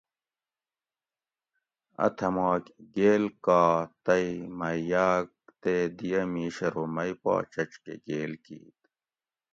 اتھماک گیل کا تئ مہ یاگ تے دی اۤ میش ارو مئ پا چچ کہ گیل کیت